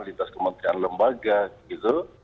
lintas kementerian lembaga gitu